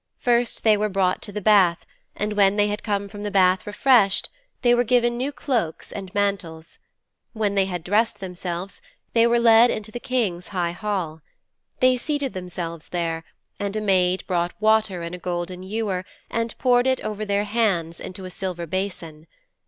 First they were brought to the bath, and when they had come from the bath refreshed, they were given new cloaks and mantles. When they had dressed themselves they were led into the King's high hall. They seated themselves there, and a maid brought water in a golden ewer and poured it over their hands into a silver basin.